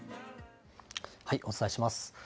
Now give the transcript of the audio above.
お伝えします。